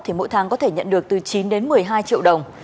thì mỗi tháng có thể nhận được từ chín đến một mươi hai triệu đồng